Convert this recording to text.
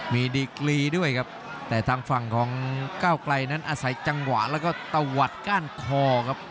มีดีกรีด้วยครับแต่ทางฝั่งของก้าวไกลนั้นอาศัยจังหวะแล้วก็ตะวัดก้านคอครับ